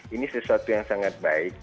ini sesuatu yang sangat baik